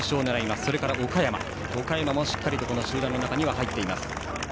それから岡山もしっかり集団の中に入っています。